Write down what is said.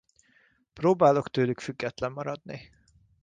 Próbálok tőlük független maradni.